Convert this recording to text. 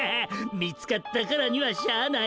見つかったからにはしゃあない。